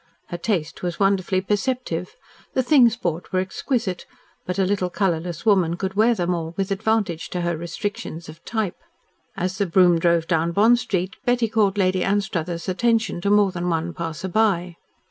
Her taste was wonderfully perceptive. The things bought were exquisite, but a little colourless woman could wear them all with advantage to her restrictions of type. As the brougham drove down Bond Street, Betty called Lady Anstruthers' attention to more than one passer by.